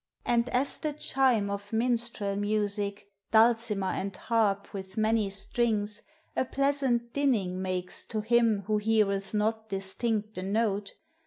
And as the chime Of minstrel music, dulcimer, and harp With many strings, a pleasant dinning makes To him, who heareth not distinct the note; DEATH: IMMORTALITY: HEAVEN.